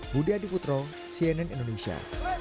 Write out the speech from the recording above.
budi adiputro cnn indonesia